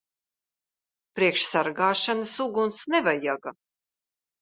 Priekš sargāšanas uguns nevajaga.